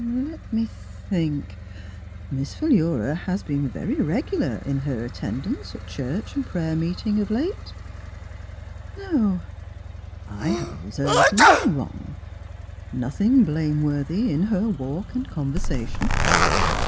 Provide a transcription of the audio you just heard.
'' Let me think: Miss Philura has been very regular in her at tendance at church and prayer meeting of late. No, I have observed nothing wrong — nothing blameworthy in her walk and conversation.